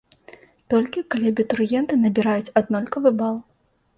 Толькі, калі абітурыенты набіраюць аднолькавы бал.